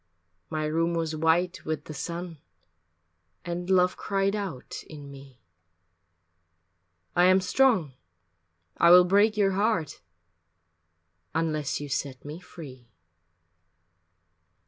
My room was white with the sun And Love cried out in me, "I am strong, I will break your heart Unless you set me free."